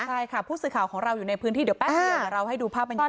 ใช่ค่ะผู้สื่อข่าวของเราอยู่ในพื้นที่เดี๋ยวแป๊บเดียวเดี๋ยวเราให้ดูภาพบรรยากาศ